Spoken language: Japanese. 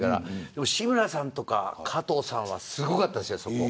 でも、志村さんや加藤さんはすごかったですよ